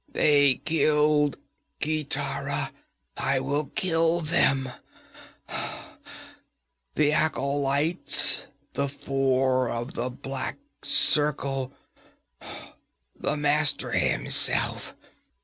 They killed Gitara; I will kill them the acolytes, the Four of the Black Circle, the Master himself!